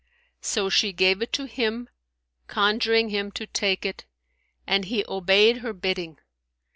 So she gave it him, conjuring him to take it, and he obeyed her bidding.